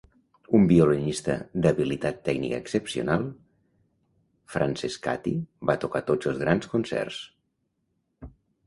Un violinista d'habilitat tècnica excepcional, Francescatti va tocat tots els grans concerts.